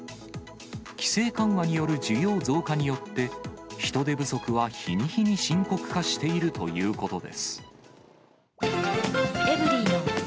規制緩和による需要増加によって、人手不足は日に日に深刻化しているということです。